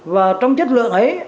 và trong chất lượng ấy